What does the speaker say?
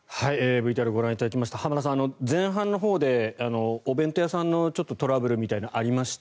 ＶＴＲをご覧いただきました浜田さん、前半のほうでお弁当屋さんのトラブルみたいなのがありました。